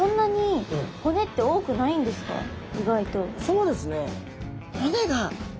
そうですね。